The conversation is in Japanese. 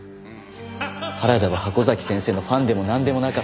原田は箱崎先生のファンでもなんでもなかった。